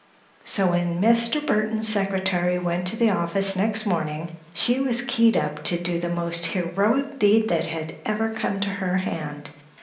So, when Mr. Burthon's secretary went to the office next morning she was keyed up to do the most heroic deed that had ever come to her hand.